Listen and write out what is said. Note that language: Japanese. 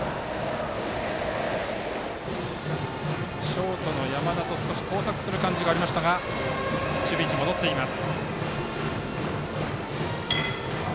ショートの山田と少し交錯する感じがありましたが守備位置戻っています。